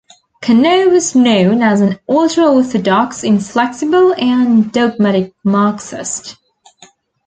Cano was known as an ultra-orthodox, inflexible, and dogmatic Marxist.